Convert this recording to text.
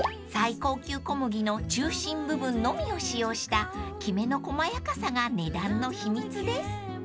［最高級小麦の中心部分のみを使用したきめの細やかさが値段の秘密です］